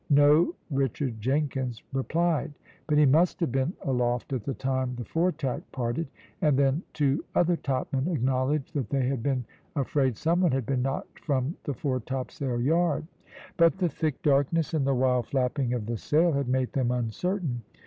No Richard Jenkins replied; but he must have been aloft at the time the fore tack parted, and then two other topmen acknowledged that they had been afraid some one had been knocked from the fore topsail yard; but the thick darkness, and the wild flapping of the sail, had made them uncertain.